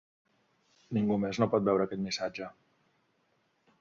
Ningú més no pot veure aquest missatge.